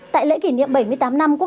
tại lễ kỷ niệm bảy mươi tám năm